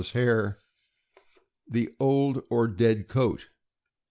ous hair ' the old or dead coat.